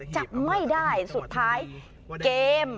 จับไม่ได้สุดท้ายเกม